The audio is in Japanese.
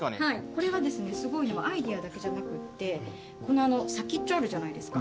これはですねすごいアイデアだけじゃなくってこの先っちょあるじゃないですか。